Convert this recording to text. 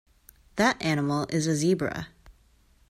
That animal is a Zebra.